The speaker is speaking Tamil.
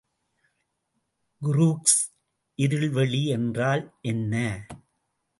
குரூக்ஸ் இருள்வெளி என்றால் என்ன?